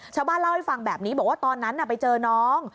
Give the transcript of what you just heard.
ชาวบ้านเล่าให้ฟังแบบนี้บอกว่าตอนนั้นไปเจอน้อง